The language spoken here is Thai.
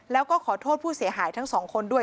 แล้วก็ขอโทษผู้เสียหายทั้งสองคนด้วย